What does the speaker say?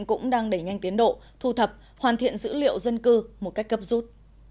cũng đang đẩy nhanh tiến độ thu thập hoàn thiện dữ liệu dân cư một cách cấp rút